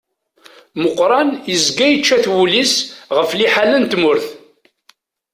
Muqran yezga yečča-t wul-is ɣef liḥala n tmurt.